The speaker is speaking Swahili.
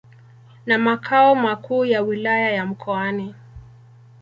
na makao makuu ya Wilaya ya Mkoani.